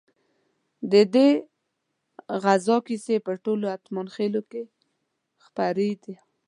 ددې غزا کیسې په ټولو اتمانخيلو کې خپرې دي.